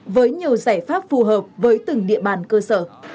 với nhiều giải pháp phù hợp với từng địa bàn cơ sở